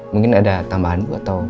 mungkin ada tambahan